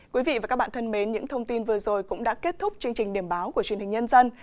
quý vị và các bạn thân mến những thông tin vừa rồi cũng đã kết thúc chương trình điểm báo của truyền hình nhân dân